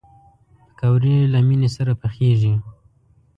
پکورې له مینې سره پخېږي